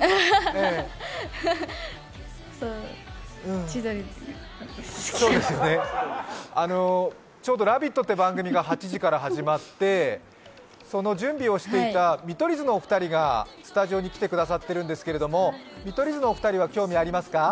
あははっ、千鳥ちょうど「ラヴィット！」という番組が８時から始まってその準備をしていた見取り図の２人がスタジオに来てくださってるんですけど見取り図のお二人は興味ありますか？